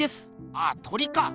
ああ鳥か。